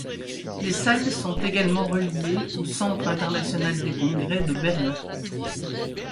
Les salles sont également reliées au Centre international des congrès de Berlin.